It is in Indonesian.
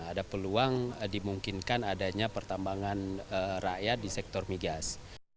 ada peluang dimungkinkan adanya pertambangan rakyat di sektor migas